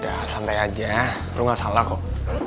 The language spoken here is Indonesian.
ya santai aja lu gak salah kok